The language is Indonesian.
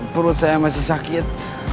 perut saya masih sakit